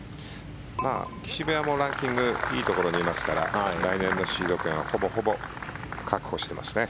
岸部はランキングいいところにいますから来年のシード権はほぼほぼ確保していますね。